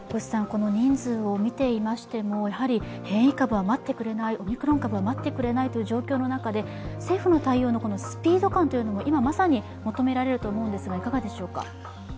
この人数を見ていましても変異株は待ってくれないオミクロン株は待ってくれないという状況の中で政府の対応のスピード感というのも今まさに求められると思うんですが？